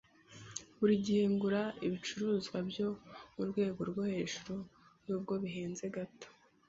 Buri gihe ngura ibicuruzwa byo mu rwego rwo hejuru nubwo bihenze gato.